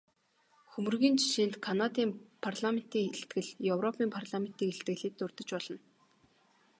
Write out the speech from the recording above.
Хөмрөгийн жишээнд Канадын парламентын илтгэл, европын парламентын илтгэлийг дурдаж болно.